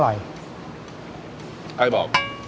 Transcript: ใครบอก